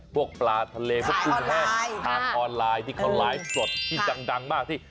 พวกปลาทะเลพวกกุ้งแห้งทางออนไลน์ที่เขาไลฟ์สดที่ดังมากที่